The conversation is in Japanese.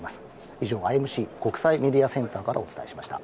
以上、ＩＭＣ＝国際メディアセンターからお伝えしました。